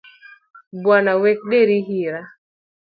Bwana wek deri hira.